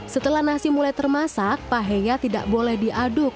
setelah nasi mulai termasak paheya tidak boleh diaduk